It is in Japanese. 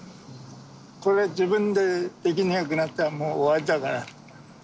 これ自分でできなくなったらもう終わりだから。